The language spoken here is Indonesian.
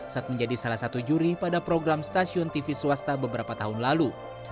saat menjadi salah satu juri pada program stasiun tv swasta beberapa tahun lalu